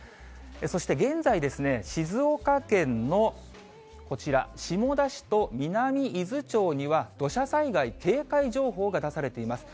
そして現在、静岡県のこちら、下田市と南伊豆町には、土砂災害警戒情報が出されています。